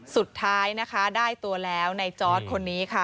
สุดท้ายได้ตัวแน่ตัวในจอร์สคนนี้ค่ะ